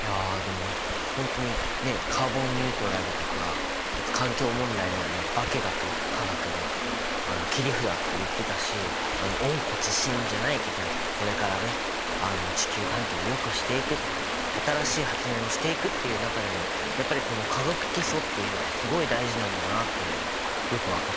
いやでも本当にねカーボンニュートラルとか環境問題にはね化学化学が切り札って言ってたし温故知新じゃないけどこれからね地球環境をよくしていくとか新しい発明をしていくっていう中でもやっぱりこの「化学基礎」っていうのがすごい大事なんだなあっていうのがよく分かった。